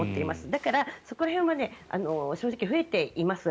だから、そこら辺は正直増えています。